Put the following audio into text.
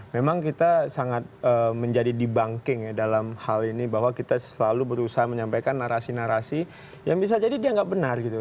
memang kita sangat menjadi debunking ya dalam hal ini bahwa kita selalu berusaha menyampaikan narasi narasi yang bisa jadi dia nggak benar gitu